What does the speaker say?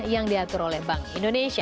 yang diatur oleh bank indonesia